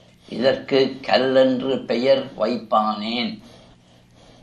இதற்கு கல் என்று பெயர் வைப்பானேன்?